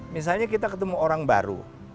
misalnya kita ketemu orang baru